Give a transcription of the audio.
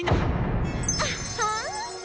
あっはん！